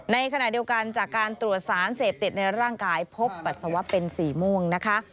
ในขณะเดียวกันจากการตรวจสารเสพติดในร่างกายพบปัสสาวะเป็นสีม่วงนะคะ